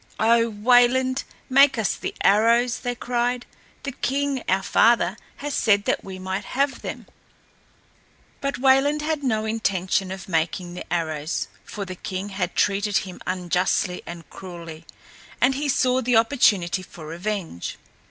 "O Wayland, make us the arrows," they cried. "The king, our father, has said that we might have them." But Wayland had no intention of making the arrows, for the king had treated him unjustly and cruelly, and he saw the opportunity for revenge.